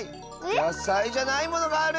やさいじゃないものがある！